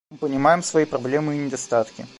Мы понимаем свои проблемы и недостатки.